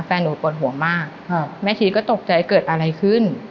แฟนหนูปวดห่วงมากแม่ชีก็ตกใจเกิดอะไรขึ้น